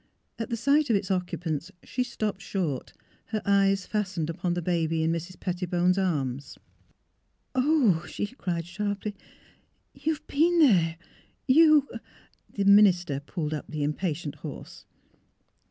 At sight of its occupants she stopped short, her eyes fastened upon the baby in Mrs. Pettibone's arms. " Oh! " she cried, sharply, " You have been there. You " The minister pulled up the impatient horse.